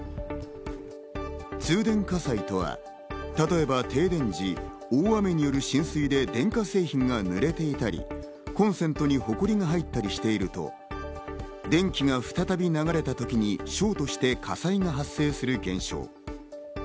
通電火災とは例えば停電時、大雨による浸水で電化製品が濡れていたり、コンセントにホコリが入ったりしていると、電気が再び流れたときにショートして火災が発生する現象。